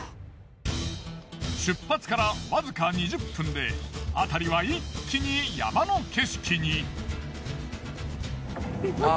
出発からわずか２０分で辺りは一気に山の景色に。